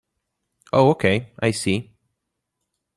Oh okay, I see.